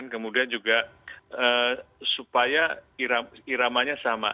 kemudian juga supaya iramanya sama